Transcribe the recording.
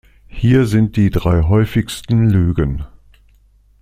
Hier sind die drei häufigsten Lügen.